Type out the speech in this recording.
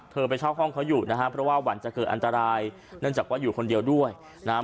ไปเช่าห้องเขาอยู่นะฮะเพราะว่าหวั่นจะเกิดอันตรายเนื่องจากว่าอยู่คนเดียวด้วยนะฮะ